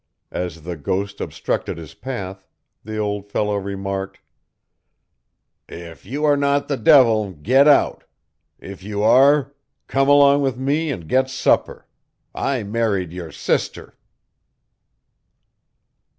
As the ghost obstructed his path, the old fellow remarked: "If you are not the devil, get out! If you are, come along with me and get supper. I married your sister!"